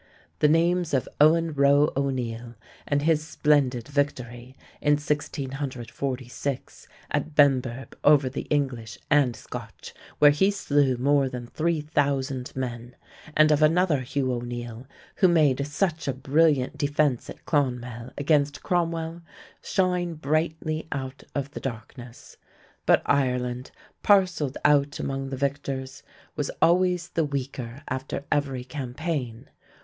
The names of Owen Roe O'Neill and his splendid victory, in 1646, at Benburb over the English and Scotch, where he slew more than 3,000 men, and of another Hugh O'Neill, who made such a brilliant defense at Clonmel against Cromwell, shine brightly out of the darkness. But Ireland, parcelled out among the victors, was always the weaker after every campaign.